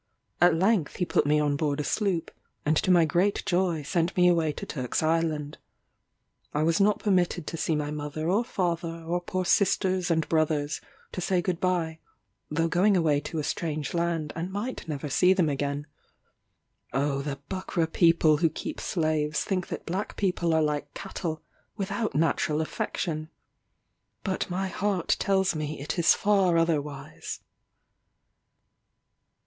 At length he put me on board a sloop, and to my great joy sent me away to Turk's Island. I was not permitted to see my mother or father, or poor sisters and brothers, to say good bye, though going away to a strange land, and might never see them again. Oh the Buckra people who keep slaves think that black people are like cattle, without natural affection. But my heart tells me it is far otherwise.